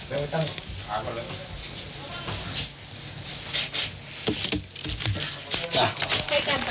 เอามือลงก่อน